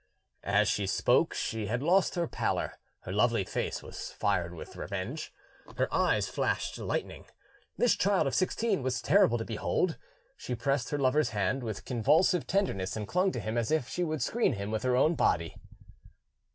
As she spoke she had lost her pallor; her lovely face was fired with revenge, her eyes flashed lightning. This child of sixteen was terrible to behold; she pressed her lover's hand with convulsive tenderness, and clung to him as if she would screen him with her own body.